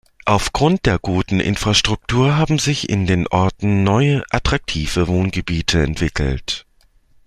Auf Grund der guten Infrastruktur haben sich in den Orten neue, attraktive Wohngebiete entwickelt.